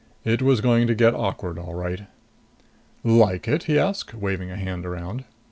It was going to get awkward, all right. "Like it?" he asked, waving a hand around.